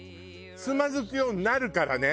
つまずくようになるからね！